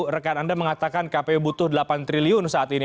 rekan anda mengatakan kpu butuh delapan triliun saat ini